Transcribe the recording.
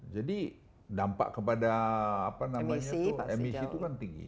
jadi dampak kepada emisi itu kan tinggi